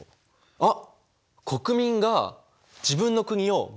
あっ！